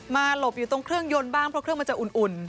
หลบอยู่ตรงเครื่องยนต์บ้างเพราะเครื่องมันจะอุ่น